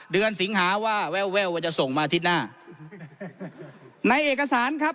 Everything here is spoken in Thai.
สิงหาว่าแววแววว่าจะส่งมาอาทิตย์หน้าในเอกสารครับ